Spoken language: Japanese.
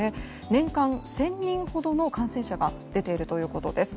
年間１０００人ほどの感染者が出ているということです。